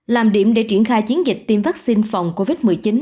làm điểm để triển khai chiến dịch tiêm vaccine phòng covid một mươi chín